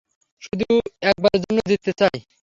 শুধুমাত্র একবারের জন্য জিততে চাই।